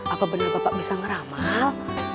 apa benar bapak bisa ngeramal